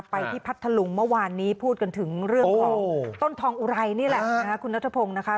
ที่พัทธลุงเมื่อวานนี้พูดกันถึงเรื่องของต้นทองอุไรนี่แหละคุณนัทพงศ์นะคะ